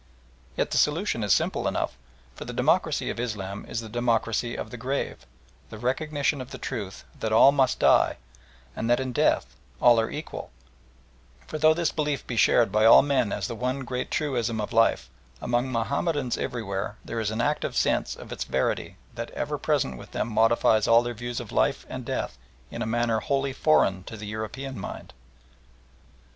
Yet the solution is simple enough, for the democracy of Islam is the democracy of the grave, the recognition of the truth that all must die, and that in death all are equal; for though this belief be shared by all men as the one great truism of life, among Mahomedans everywhere there is an active sense of its verity that ever present with them modifies all their views of life and death in a manner wholly foreign to the European mind.